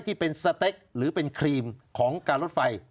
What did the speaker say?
ที่เป็นสเต็กหรือเป็นครีมของการรถไฟ